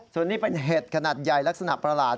ส่วนนี้เป็นเห็ดขนาดใหญ่ลักษณะประหลาด